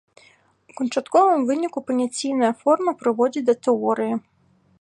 У канчатковым выніку паняційная форма прыводзіць да тэорыі.